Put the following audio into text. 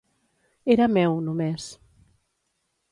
Era meu, només.